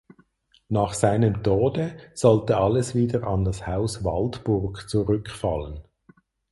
Nach seinem Tode sollte alles wieder an das Haus Waldburg zurückfallen.